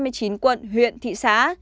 tại hai mươi chín quận huyện thị xã